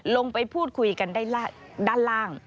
ลงไปพูดคุยกันได้ด้านล่าง